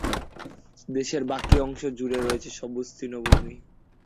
দেশের বাকি অংশ জুড়ে রয়েছে সবুজ তৃণভূমি।